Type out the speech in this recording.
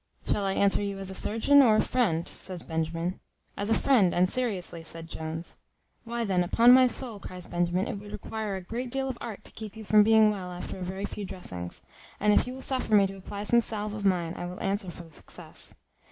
"Shall I answer you as a surgeon, or a friend?" said Benjamin. "As a friend, and seriously," said Jones. "Why then, upon my soul," cries Benjamin, "it would require a great deal of art to keep you from being well after a very few dressings; and if you will suffer me to apply some salve of mine, I will answer for the success."